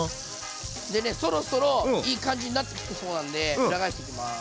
でねそろそろいい感じになってきてそうなんで裏返していきます。